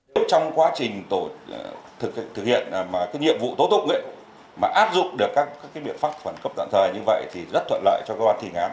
nếu trong quá trình thực hiện nhiệm vụ tố tục áp dụng được các biện pháp khoản cấp tạm thời như vậy thì rất thuận lợi cho cơ quan thi hành án